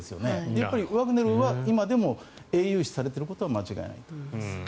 やっぱりワグネルは今でも英雄視されていることは間違いないと思います。